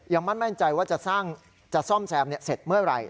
ยังมั่นมั่นใจว่าจะสร้างจะซ่อมแซมเนี่ยเสร็จเมื่อไหร่